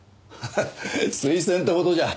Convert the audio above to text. ハハ推薦ってほどじゃ。